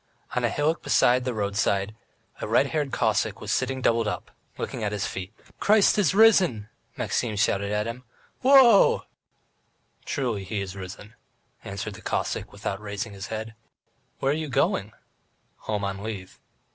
On a hillock beside the roadside a red haired Cossack was sitting doubled up, looking at his feet. "Christ is risen!" Maxim shouted to him. "Wo o o!" "Truly He is risen," answered the Cossack, without raising his head. "Where are you going?" "Home on leave."